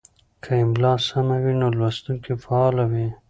که املا سمه وي نو لوستونکی فعاله وي.